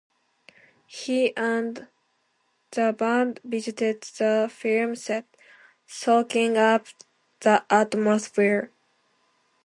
He and the band visited the film set, soaking up the atmosphere.